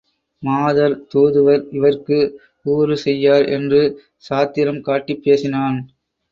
மாதர், தூதுவர் இவர்க்கு ஊறு செய்யார் என்று சாத்திரம் காட்டிப் பேசினான்.